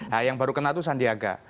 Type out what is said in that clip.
nah yang baru kena tuh sandiaga